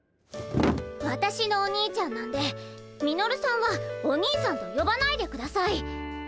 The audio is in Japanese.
わたしのお兄ちゃんなんでミノルさんはお兄さんとよばないでください。